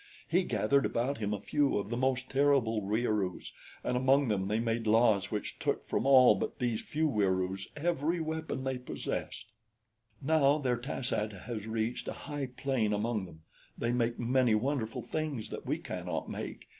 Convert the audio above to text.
He gathered about him a few of the most terrible Wieroos, and among them they made laws which took from all but these few Wieroos every weapon they possessed. "Now their tas ad has reached a high plane among them. They make many wonderful things that we cannot make.